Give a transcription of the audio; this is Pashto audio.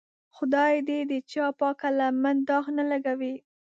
خدای دې د چا پاکه لمن داغ نه لګوي.